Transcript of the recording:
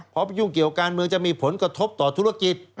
พอไปยุ่งเกี่ยวการเมืองจะมีผลกระทบต่อธุรกิจ